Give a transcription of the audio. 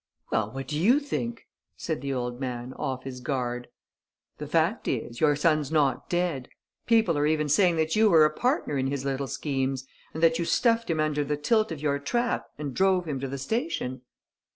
"Well, what do you think?" said the old man, off his guard. "The fact is ... your son's not dead. People are even saying that you were a partner in his little schemes and that you stuffed him under the tilt of your trap and drove him to the station."